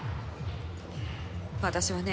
私はね